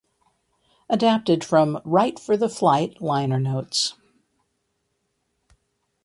Adapted from "Right for the Flight" liner notes.